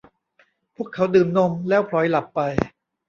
พวกเขาดื่มนมแล้วผล็อยหลับไป